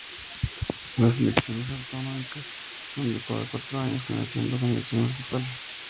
Las elecciones autonómicas son cada cuatro años, coincidiendo con las elecciones municipales.